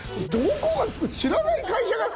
知らない会社が。